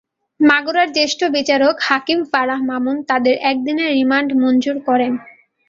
মাগুরার জ্যেষ্ঠ বিচারিক হাকিম ফারাহ মামুন তাঁদের একদিনের রিমান্ড মঞ্জুর করেন।